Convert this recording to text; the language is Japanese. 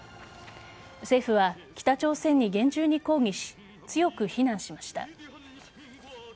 政府は北朝鮮に厳重に抗議し強く非難しました。